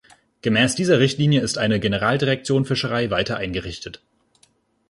Gemäß dieser Richtlinie ist eine Generaldirektion Fischerei weiter eingerichtet.